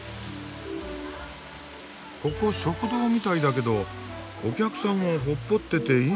ここ食堂みたいだけどお客さんをほっぽってていいのかなぁ？